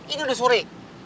ini udah sore